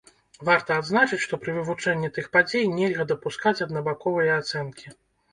Варта адзначыць, што пры вывучэнні тых падзей нельга дапускаць аднабаковыя ацэнкі.